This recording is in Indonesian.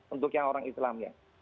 untuk yang orang islamnya